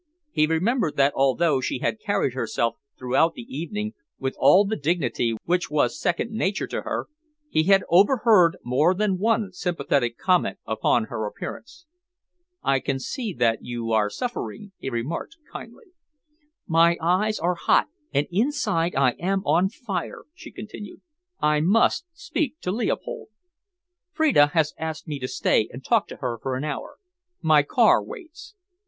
He remembered that although she had carried herself throughout the evening with all the dignity which was second nature to her, he had overheard more than one sympathetic comment upon her appearance. "I can see that you are suffering," he remarked kindly. "My eyes are hot, and inside I am on fire," she continued. "I must speak to Leopold. Freda has asked me to stay and talk to her for an hour. My car waits.